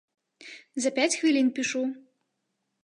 За пяць хвілін пішу.